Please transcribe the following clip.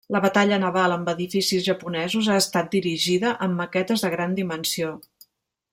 La batalla naval amb edificis japonesos ha estat dirigida amb maquetes de gran dimensió.